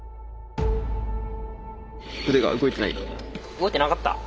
動いてなかった？